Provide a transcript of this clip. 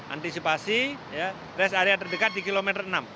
antisipasi rest area terdekat di kilometer enam